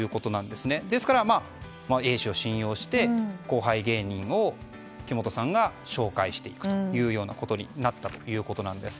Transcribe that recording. ですからＡ氏を信用して後輩芸人を木本さんが紹介していくことになったということです。